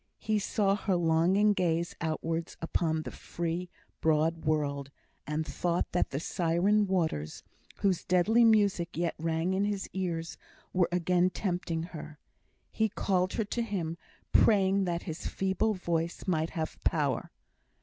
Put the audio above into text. He saw her longing gaze outwards upon the free, broad world, and thought that the syren waters, whose deadly music yet rang in her ears, were again tempting her. He called her to him, praying that his feeble voice might have power.